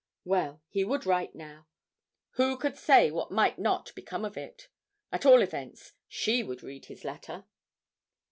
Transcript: Well, he would write now. Who could say what might not come of it? At all events, she would read his letter.